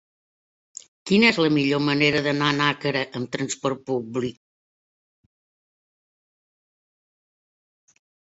Quina és la millor manera d'anar a Nàquera amb transport públic?